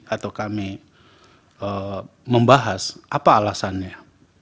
atau kami membahas apa alasannya